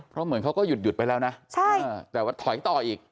เพราะเหมือนเขาก็หยุดไปแล้วนะแต่ว่าถอยต่ออีก